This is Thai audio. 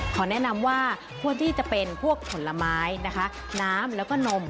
ขอแนะนำว่าควรที่จะเป็นพวกผลไม้นะคะน้ำแล้วก็นม